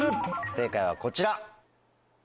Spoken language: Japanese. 正解はこちら。